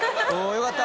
よかった。